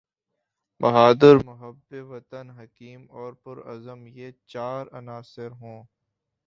بہادر، محب وطن، حکیم اور پرعزم یہ چار عناصر ہوں۔